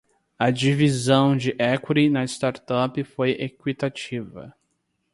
A divisão de equity na startup foi equitativa.